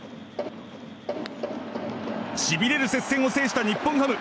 しびれる接戦を制した日本ハム。